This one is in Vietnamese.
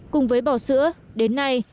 cùng với bò sữa đến nay